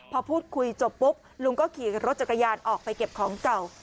พอพูดคุยจบปุ๊บลุงก็ขี่รถจักรยานออกไปเก็บของเก่า